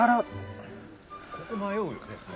ここ迷うよね